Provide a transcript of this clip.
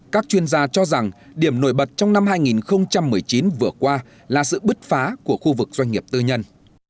các chuyên gia cho rằng điểm nổi bật trong năm hai nghìn một mươi chín vừa qua là sự bứt phá của khu vực doanh nghiệp tư nhân